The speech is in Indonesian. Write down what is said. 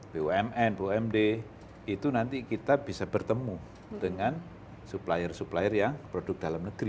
bumn bumd itu nanti kita bisa bertemu dengan supplier supplier yang produk dalam negeri